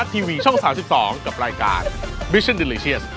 บิชชั่นดิลิเชียส